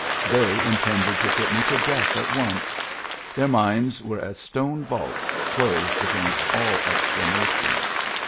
They intended to put me to death at once; their minds were as stone vaults closed against all explanation.